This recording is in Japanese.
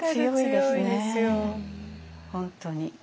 本当に。